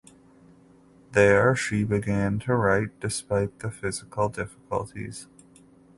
There she began to write despite the physical difficulties.